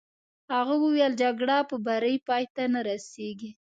هغه وویل: جګړه په بري پای ته نه رسېږي.